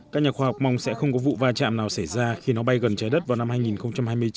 các nhà khoa học mong sẽ không có vụ va chạm nào xảy ra khi nó bay gần trái đất vào năm hai nghìn hai mươi chín